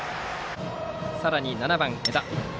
さらに７番、江田。